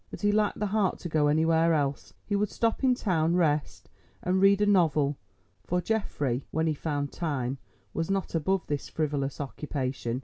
But he lacked the heart to go anywhere else. He would stop in town, rest, and read a novel, for Geoffrey, when he found time, was not above this frivolous occupation.